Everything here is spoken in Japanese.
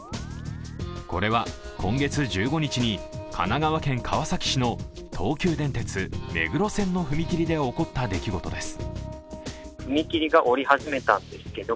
これは今月１５日に、神奈川県川崎市の東急電鉄・目黒線の踏切で起こった出来事です。